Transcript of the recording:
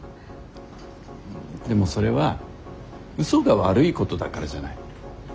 でもそれは嘘が悪いことだからじゃない。